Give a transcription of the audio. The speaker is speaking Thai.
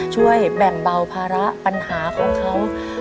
ช่วยแบ่งเบาภาระปัญหาของเขา